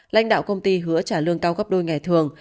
lãnh đạo công ty hứa trả lương cao gấp đôi ngày thường